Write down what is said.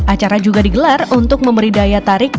acara juga digelar untuk memberi daya tarik